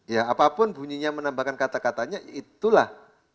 ya apapun bunyinya menambahkan kata katanya itulah